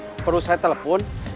gak ada info perlu saya telepon